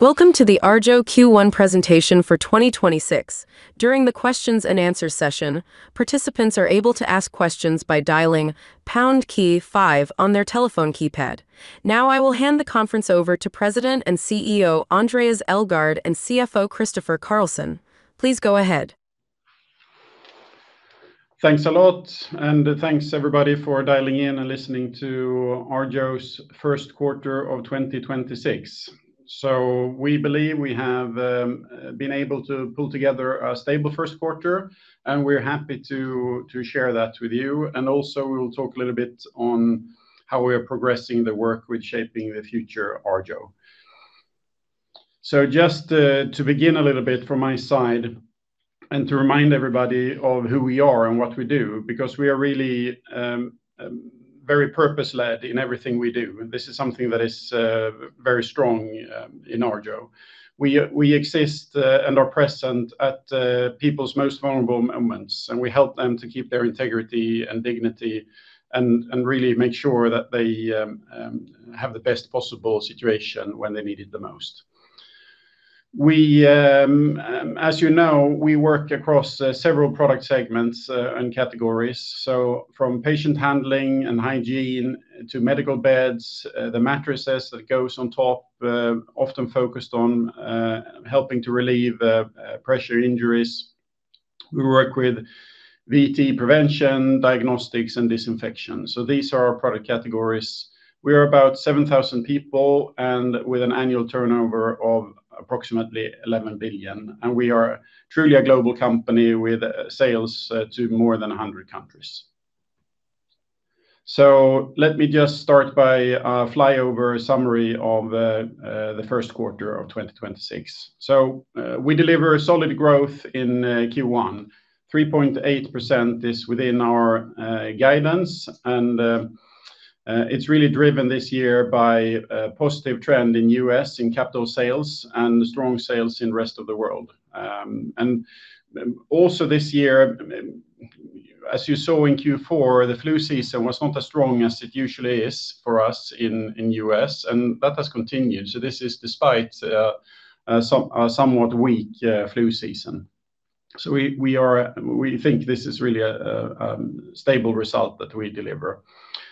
Welcome to the Arjo Q1 presentation for 2026. During the questions and answers session, participants are able to ask questions by dialing pound key five on their telephone keypad. Now I will hand the conference over to President and CEO, Andréas Elgaard, and CFO, Christofer Carlsson. Please go ahead. Thanks a lot, and thanks everybody for dialing in and listening to Arjo's first quarter of 2026. We believe we have been able to pull together a stable first quarter, and we're happy to share that with you. We'll talk a little bit on how we are progressing the work with shaping the future Arjo. Just to begin a little bit from my side and to remind everybody of who we are and what we do, because we are really very purpose-led in everything we do. This is something that is very strong in Arjo. We exist and are present at people's most vulnerable moments, and we help them to keep their integrity and dignity and really make sure that they have the best possible situation when they need it the most. As you know, we work across several product segments and categories. From Patient Handling and hygiene to Medical beds, the mattresses that goes on top, often focused on helping to relieve pressure injuries. We work with VTE prevention, diagnostics, and disinfection. These are our product categories. We are about 7,000 people and with an annual turnover of approximately 11 billion. We are truly a global company with sales to more than 100 countries. Let me just start by a flyover summary of the first quarter of 2026. We deliver solid growth in Q1. 3.8% is within our guidance. It's really driven this year by a positive trend in U.S. in capital sales and strong sales in rest of the world. Also this year, as you saw in Q4, the flu season was not as strong as it usually is for us in U.S., and that has continued. This is despite a somewhat weak flu season. We think this is really a stable result that we deliver.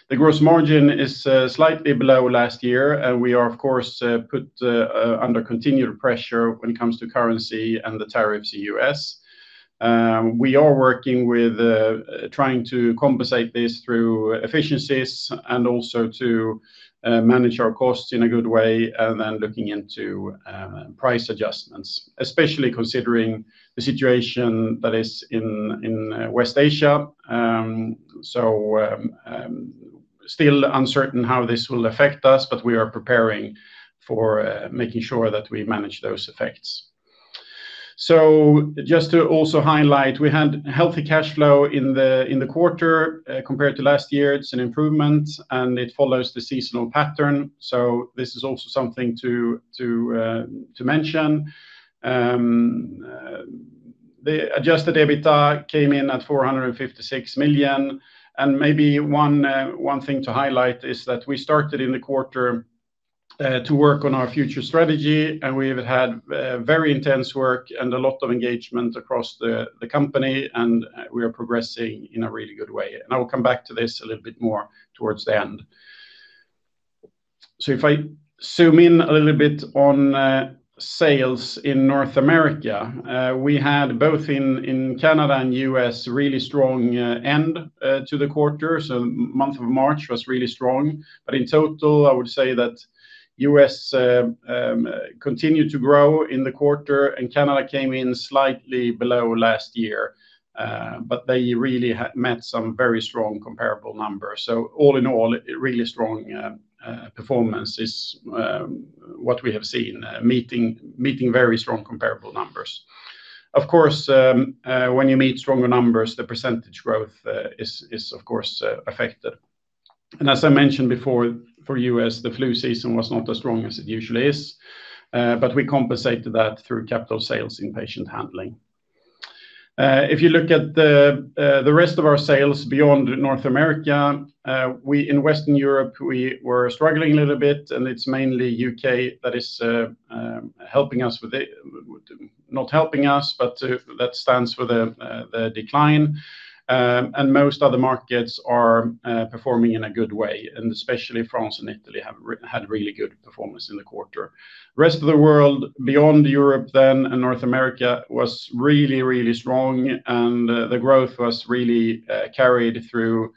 The gross margin is slightly below last year, and we are, of course, put under continual pressure when it comes to currency and the tariffs in U.S. We are working with trying to compensate this through efficiencies and also to manage our costs in a good way and then looking into price adjustments, especially considering the situation that is in West Asia. Still uncertain how this will affect us, but we are preparing for making sure that we manage those effects. Just to also highlight, we had healthy cash flow in the quarter. Compared to last year, it's an improvement and it follows the seasonal pattern. This is also something to mention. The adjusted EBITDA came in at 456 million. Maybe one thing to highlight is that we started in the quarter to work on our future strategy, and we've had very intense work and a lot of engagement across the company, and we are progressing in a really good way. I will come back to this a little bit more towards the end. If I zoom in a little bit on sales in North America. We had both in Canada and U.S., really strong end to the quarter. Month of March was really strong. In total, I would say that U.S. continued to grow in the quarter and Canada came in slightly below last year. They really met some very strong comparable numbers. All in all, really strong performance is what we have seen, meeting very strong comparable numbers. Of course, when you meet stronger numbers, the percentage growth is of course affected. As I mentioned before, for U.S., the flu season was not as strong as it usually is. We compensated that through capital sales in Patient Handling. If you look at the rest of our sales beyond North America, in Western Europe, we were struggling a little bit, and it's mainly U.K. that stands for the decline. Most other markets are performing in a good way, and especially France and Italy had really good performance in the quarter. Rest of the world, beyond Europe then, and North America was really, really strong, and the growth was really carried through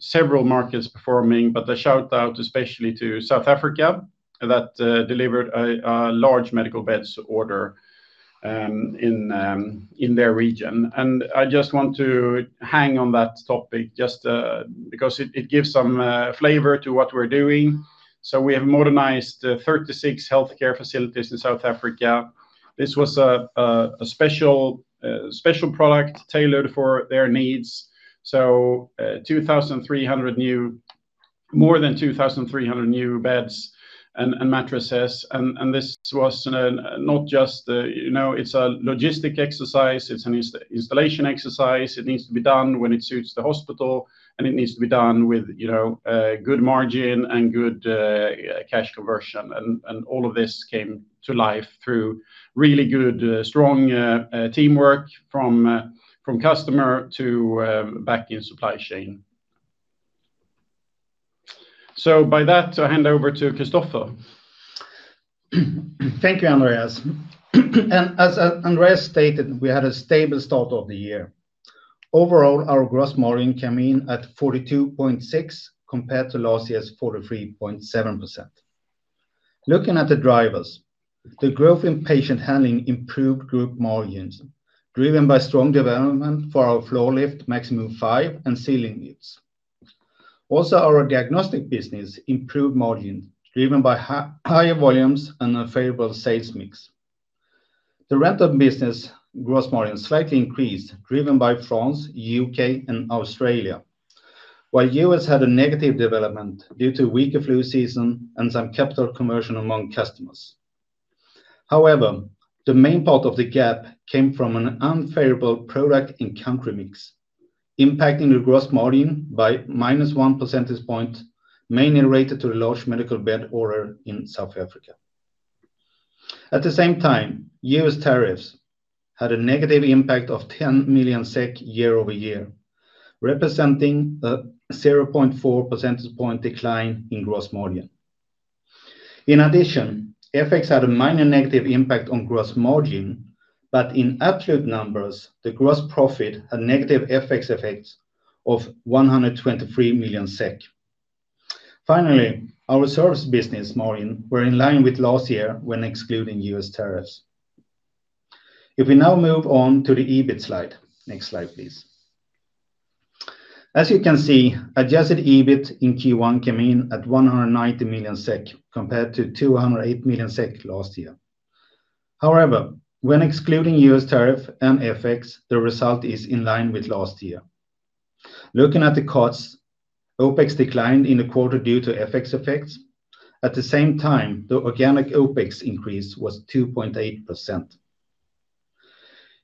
several markets performing. A shout-out, especially to South Africa that delivered a large Medical Beds order in their region. I just want to hang on that topic just because it gives some flavor to what we're doing. We have modernized 36 healthcare facilities in South Africa. This was a special product tailored for their needs. More than 2,300 new beds and mattresses. This was not just a logistic exercise, it's an installation exercise. It needs to be done when it suits the hospital, and it needs to be done with good margin and good cash conversion. All of this came to life through really good, strong teamwork from customer to back in supply chain. By that, I'll hand over to Christofer. Thank you, Andréas. As Andréas stated, we had a stable start of the year. Overall, our gross margin came in at 42.6%, compared to last year's 43.7%. Looking at the drivers, the growth in Patient Handling improved group margins, driven by strong development for our floor lift, Maxi Move 5 and ceiling units. Also, our diagnostics business improved margin, driven by higher volumes and a favorable sales mix. The rental business gross margin slightly increased, driven by France, U.K., and Australia. While U.S. had a negative development due to weaker flu season and some capital conversion among customers. However, the main part of the gap came from an unfavorable product and country mix, impacting the gross margin by -1 percentage point, mainly related to the large medical bed order in South Africa. At the same time, U.S. tariffs had a negative impact of 10 million SEK year-over-year, representing a 0.4 percentage point decline in gross margin. In addition, FX had a minor negative impact on gross margin, but in absolute numbers, the gross profit had negative FX effects of 123 million SEK. Finally, our service business margin were in line with last year when excluding U.S. tariffs. If we now move on to the EBIT slide. Next slide, please. As you can see, adjusted EBIT in Q1 came in at 190 million SEK, compared to 208 million SEK last year. However, when excluding U.S. tariff and FX, the result is in line with last year. Looking at the costs, OPEX declined in the quarter due to FX effects. At the same time, the organic OPEX increase was 2.8%.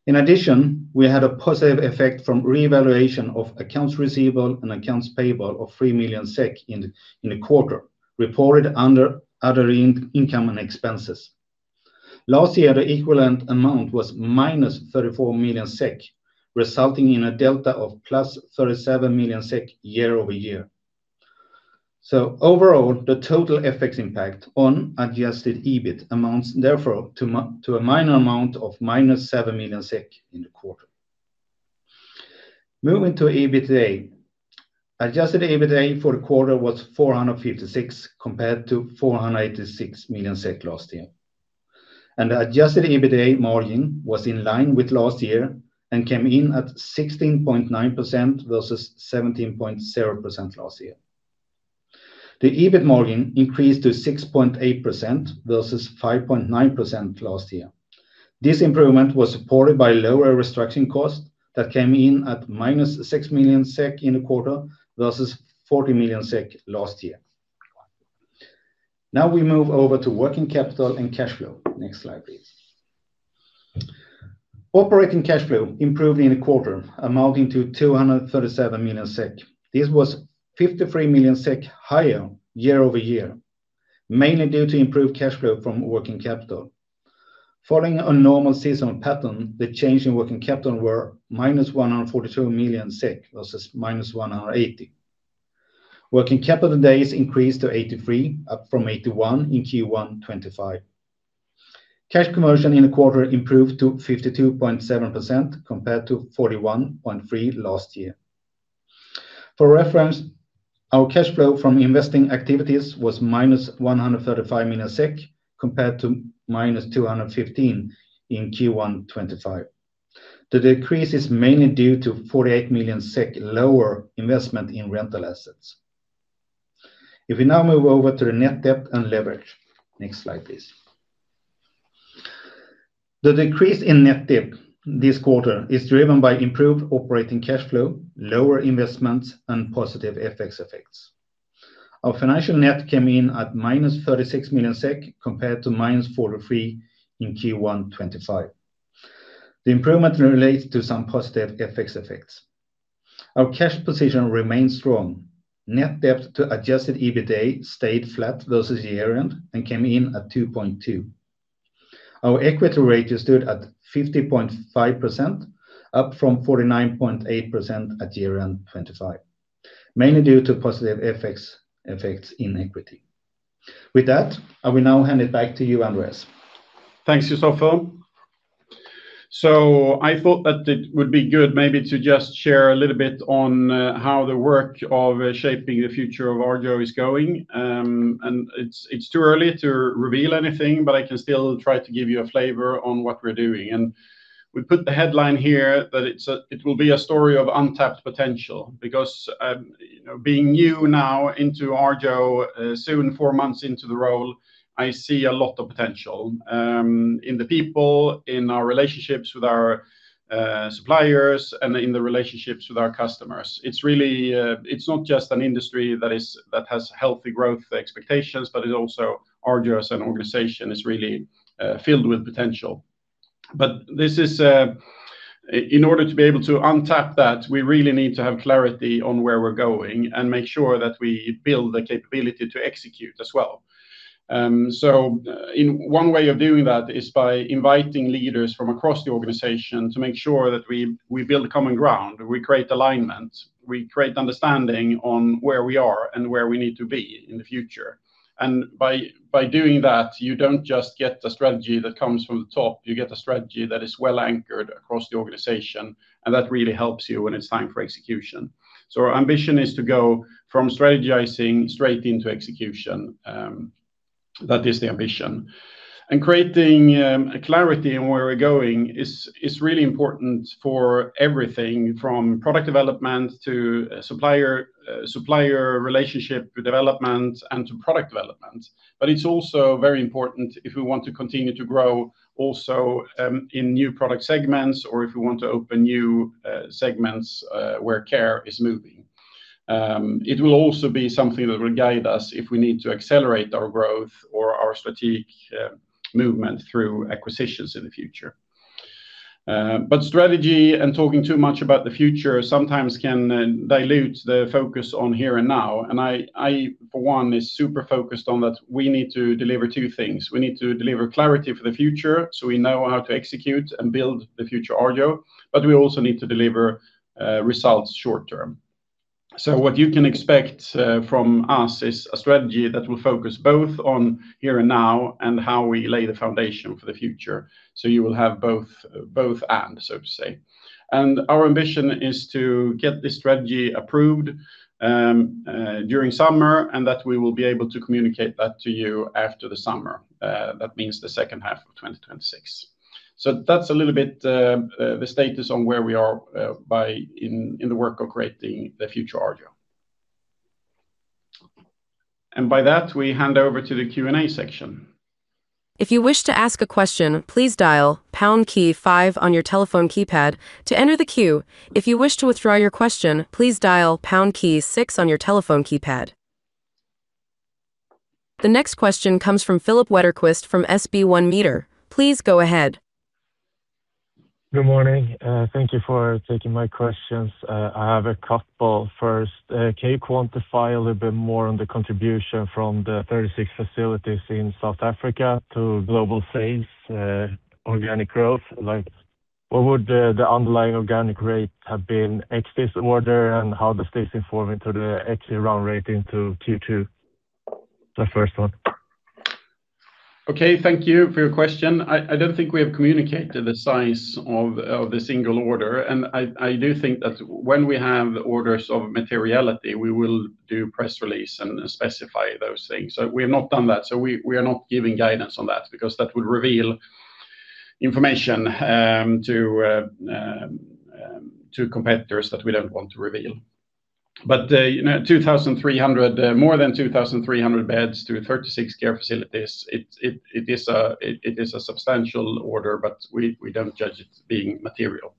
In addition, we had a positive effect from reevaluation of accounts receivable and accounts payable of 3 million SEK in the quarter, reported under other income and expenses. Last year, the equivalent amount was -34 million SEK, resulting in a delta of plus 37 million SEK year-over-year. Overall, the total FX impact on adjusted EBIT amounts therefore to a minor amount of -7 million in the quarter. Moving to EBITDA. Adjusted EBITDA for the quarter was 456 million compared to 486 million SEK last year. The adjusted EBITDA margin was in line with last year and came in at 16.9% versus 17.0% last year. The EBIT margin increased to 6.8% versus 5.9% last year. This improvement was supported by lower restructuring costs that came in at -6 million SEK in the quarter versus 40 million SEK last year. Now we move over to working capital and cash flow. Next slide, please. Operating cash flow improved in the quarter, amounting to 237 million SEK. This was 53 million SEK higher year-over-year, mainly due to improved cash flow from working capital. Following a normal seasonal pattern, the change in working capital were -143 million SEK versus -180 million. Working capital days increased to 83, up from 81 in Q1 2025. Cash conversion in the quarter improved to 52.7% compared to 41.3% last year. For reference, our cash flow from investing activities was -135 million SEK compared to -215 million in Q1 2025. The decrease is mainly due to 48 million SEK lower investment in rental assets. If we now move over to the net debt and leverage. Next slide, please. The decrease in net debt this quarter is driven by improved operating cash flow, lower investments, and positive FX effects. Our financial net came in at -36 million SEK compared to -43 million in Q1 2025. The improvement relates to some positive FX effects. Our cash position remains strong. Net debt to adjusted EBITDA stayed flat versus year-end and came in at 2.2. Our equity ratio stood at 50.5%, up from 49.8% at year-end 2025, mainly due to positive FX effects in equity. With that, I will now hand it back to you, Andréas. Thanks, Christofer. I thought that it would be good maybe to just share a little bit on how the work of shaping the future of Arjo is going. It's too early to reveal anything, but I can still try to give you a flavor on what we're doing. We put the headline here that it will be a story of untapped potential because being new now into Arjo, soon four months into the role, I see a lot of potential in the people, in our relationships with our suppliers, and in the relationships with our customers. It's not just an industry that has healthy growth expectations, but it also, Arjo as an organization, is really filled with potential. In order to be able to untap that, we really need to have clarity on where we're going and make sure that we build the capability to execute as well. One way of doing that is by inviting leaders from across the organization to make sure that we build common ground, we create alignment, we create understanding on where we are and where we need to be in the future. By doing that, you don't just get the strategy that comes from the top, you get a strategy that is well-anchored across the organization, and that really helps you when it's time for execution. Our ambition is to go from strategizing straight into execution. That is the ambition. Creating a clarity in where we're going is really important for everything from product development to supplier relationship development. It's also very important if we want to continue to grow also in new product segments or if we want to open new segments where care is moving. It will also be something that will guide us if we need to accelerate our growth or our strategic movement through acquisitions in the future. Strategy and talking too much about the future sometimes can dilute the focus on here and now. I, for one, is super focused on that we need to deliver two things. We need to deliver clarity for the future so we know how to execute and build the future Arjo, but we also need to deliver results short-term. What you can expect from us is a strategy that will focus both on here and now and how we lay the foundation for the future. You will have both and, so to say. Our ambition is to get this strategy approved during summer and that we will be able to communicate that to you after the summer. That means the second half of 2026. That's a little bit the status on where we are in the work of creating the future Arjo. By that, we hand over to the Q&A section. If you wish to ask a question, please dial pound key five on your telephone keypad to enter the queue. If you wish to withdraw your question, please dial pound key six on your telephone keypad. The next question comes from Filip Wetterqvist from [SB1 Markets]. Please go ahead. Good morning. Thank you for taking my questions. I have a couple. First, can you quantify a little bit more on the contribution from the 36 facilities in South Africa to global sales organic growth? What would the underlying organic rate have been ex this order, and how does this inform into the actual run rate into Q2? The first one. Okay. Thank you for your question. I don't think we have communicated the size of the single order. I do think that when we have orders of materiality, we will do press release and specify those things. We have not done that. We are not giving guidance on that because that would reveal information to competitors that we don't want to reveal. More than 2,300 beds to 36 care facilities, it is a substantial order, but we don't judge it being material.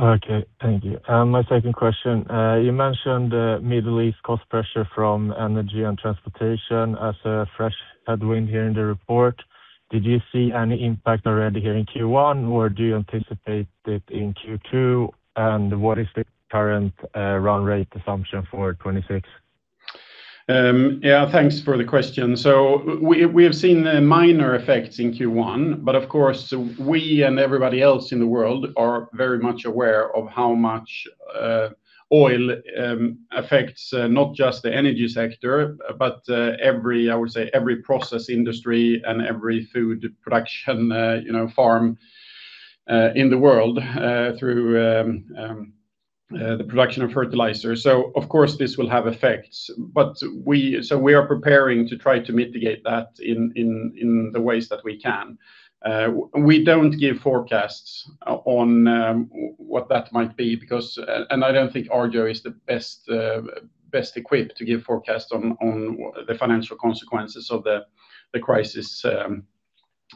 Okay. Thank you. My second question. You mentioned Middle East cost pressure from energy and transportation as a fresh headwind here in the report. Did you see any impact already here in Q1, or do you anticipate it in Q2? And what is the current run rate assumption for 2026? Yeah. Thanks for the question. We have seen minor effects in Q1, but of course, we and everybody else in the world are very much aware of how much oil affects not just the energy sector, but every, I would say, every process industry and every food production farm in the world through the production of fertilizer. Of course, this will have effects. We are preparing to try to mitigate that in the ways that we can. We don't give forecasts on what that might be because I don't think Arjo is the best equipped to give forecast on the financial consequences of the crisis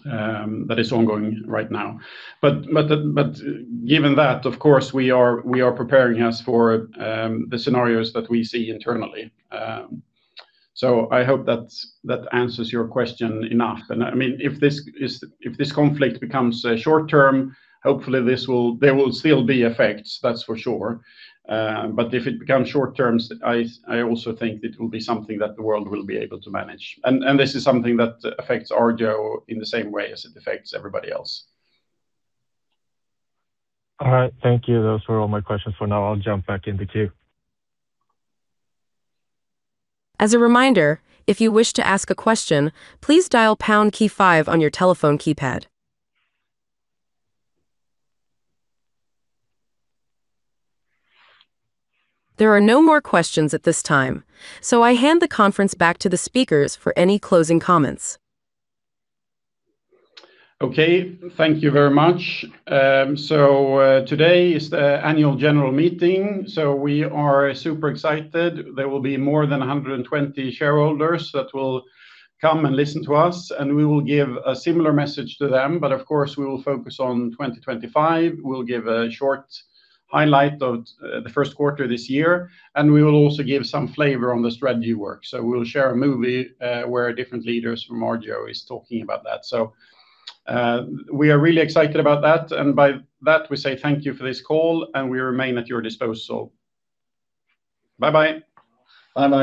that is ongoing right now. Given that, of course, we are preparing, yes, for the scenarios that we see internally. I hope that answers your question enough. If this conflict becomes short-term, hopefully there will still be effects, that's for sure. If it becomes short-term, I also think it will be something that the world will be able to manage. This is something that affects Arjo in the same way as it affects everybody else. All right. Thank you. Those were all my questions for now. I'll jump back in the queue. As a reminder, if you wish to ask a question, please dial pound key five on your telephone keypad. There are no more questions at this time. I hand the conference back to the speakers for any closing comments. Okay. Thank you very much. Today is the annual general meeting. We are super excited. There will be more than 120 shareholders that will come and listen to us, and we will give a similar message to them. Of course, we will focus on 2025. We'll give a short highlight of the first quarter this year, and we will also give some flavor on the strategy work. We'll share a movie where different leaders from Arjo is talking about that. We are really excited about that. By that, we say thank you for this call, and we remain at your disposal. Bye-bye. Bye-bye.